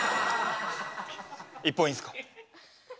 一本いいすか？